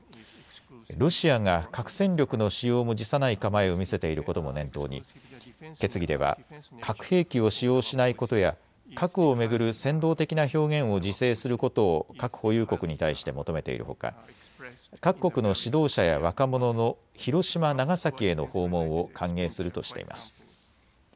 ロシアが核戦力の使用も辞さない構えを見せていることも念頭に決議では核兵器を使用しないことや核を巡る扇動的な表現を自制することを核保有国に対して求めているほか各国の指導者や若者の広島、長崎への訪問を歓迎するとしています。